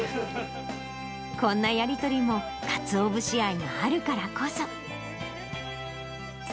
こんなやり取りも、かつお節愛があるからこそ。